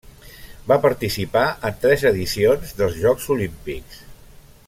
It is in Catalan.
Va participar en tres edicions dels Jocs Olímpics.